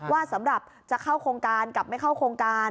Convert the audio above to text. ว่าสำหรับจะเข้าโครงการกับไม่เข้าโครงการ